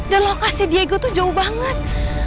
dan lokasi diego tuh jauh banget